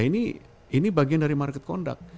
nah ini bagian dari market conduct